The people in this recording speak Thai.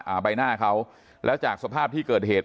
ใบหน้าเขาแล้วจากสภาพที่เกิดเหตุ